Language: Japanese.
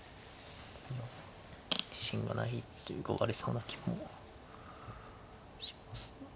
自信がないと言うか受かりそうな気もしますので。